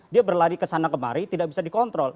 dia berlari kesana kemari tidak bisa dikontrol